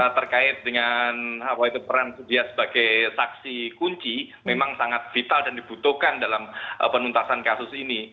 terkait dengan peran dia sebagai saksi kunci memang sangat vital dan dibutuhkan dalam penuntasan kasus ini